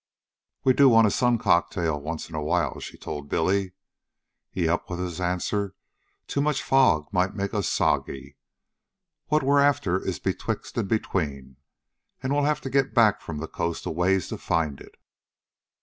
"We do want a sun cocktail once in a while," she told Billy. "Yep," was his answer. "Too much fog might make us soggy. What we're after is betwixt an' between, an' we'll have to get back from the coast a ways to find it."